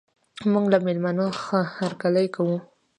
موږ له میلمانه ښه هرکلی کوو.